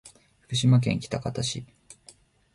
福島県喜多方市